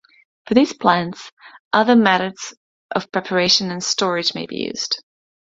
For these plants, other methods of preparation and storage may be used.